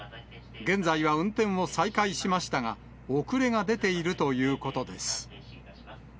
現在は運転を再開しましたが、遅れが出ているということです。